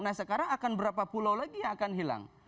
nah sekarang akan berapa pulau lagi yang akan hilang